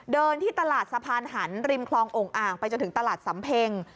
เดินที่ตลาดสะพานหันริมคลององค์อ่างไปจนถึงตลาดสำเพ็ง